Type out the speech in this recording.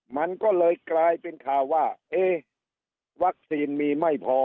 มันก็เลยกลายเป็นข่าวว่าเอ๊ะวัคซีนมีไม่พอ